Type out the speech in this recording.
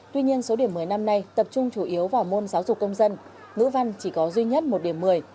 tuy nhiên số điểm một mươi năm nay tập trung chủ yếu vào môn giáo dục công dân ngữ văn chỉ có duy nhất một điểm một mươi